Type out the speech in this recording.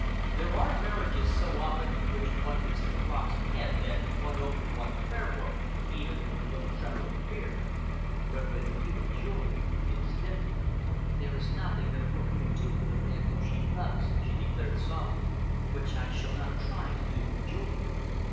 There are marriages so often in which one can see the rocks ahead that one opens one's prayer book, even, with a little tremor of fear. But with you and Julian it is different." "There is nothing that a woman can do for the man whom she loves," she declared softly, "which I shall not try to do for Julian."